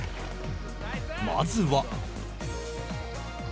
まずは。